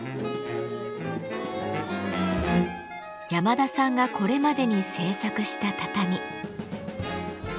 山田さんがこれまでに制作した畳。